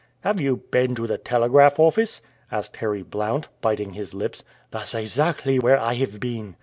"Have you been to the telegraph office?" asked Harry Blount, biting his lips. "That's exactly where I have been!"